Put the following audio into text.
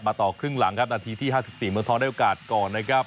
ต่อครึ่งหลังครับนาทีที่๕๔เมืองทองได้โอกาสก่อนนะครับ